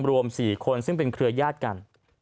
รวม๔คนซึ่งเป็นเครือญาติกัน